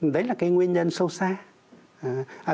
đấy là cái nguyên nhân sâu xa